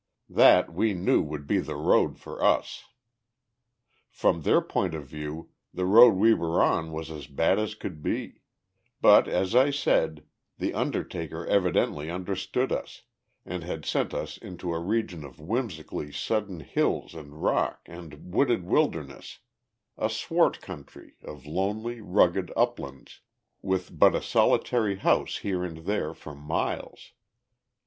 That we knew would be the road for us. From their point of view, the road we were on was as bad as could be; but, as I said, the undertaker evidently understood us, and had sent us into a region of whimsically sudden hills and rock and wooded wilderness, a swart country of lonely, rugged uplands, with but a solitary house here and there for miles.